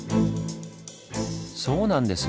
そうなんです！